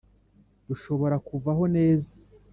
rushobora kuvaho neza